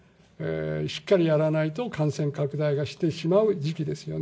しっかりやらないと感染拡大がしてしまう時期ですよね。